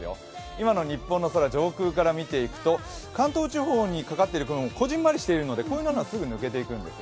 今の日本の空、上空から見ていくと関東地方にかかっている雲、こじんまりしているのでこういうのはすぐ抜けていきます